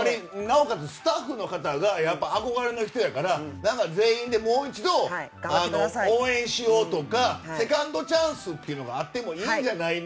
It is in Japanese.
やっぱりスタッフの方が憧れの人やから全員でもう一度、応援しようとかセカンドチャンスがあってもいいんじゃないの？